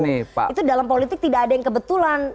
itu dalam politik tidak ada yang kebetulan